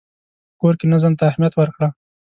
په کور کې نظم ته اهمیت ورکړه.